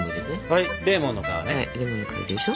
はいレモンの皮ね。